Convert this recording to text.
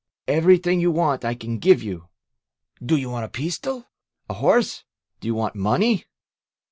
Everything you want I can give you! Do you want a pistol? Ahorse? Do you want money?"